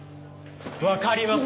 分かります。